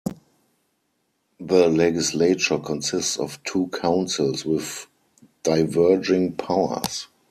The legislature consists of two councils with diverging powers.